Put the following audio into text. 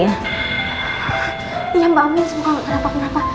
iya mbak amin semoga gak kenapa napa